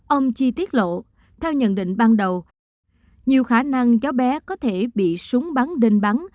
ông chi tiết lộ theo nhận định ban đầu nhiều khả năng cháu bé có thể bị súng bắn đến bắn